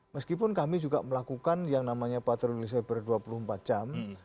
meskipun kami juga melakukan yang namanya patroli cyber dua puluh empat jam